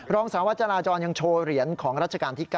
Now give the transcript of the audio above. รองสาวจราจรยังโชว์เหรียญของรัชกาลที่๙